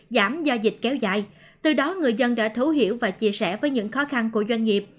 giảm do dịch kéo dài từ đó người dân đã thấu hiểu và chia sẻ với những khó khăn của doanh nghiệp